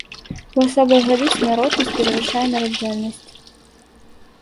У асобныя гады смяротнасць перавышае нараджальнасць.